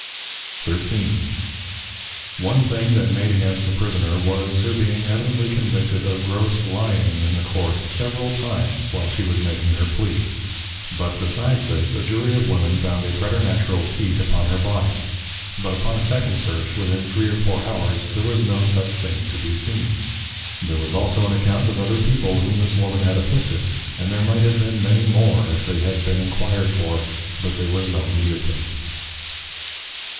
XIII. One thing that made against the Prisoner was, her being evidently convicted of gross Lying in the Court, several times, while she was making her Plea; but besides this, a Jury of Women found a preternatural Teat upon her Body: But upon a second search, within 3 or 4 hours, there was no such thing to be seen. There was also an Account of other People whom this Woman had Afflicted; and there might have been many more, if they had been enquired for; but there was no need of them.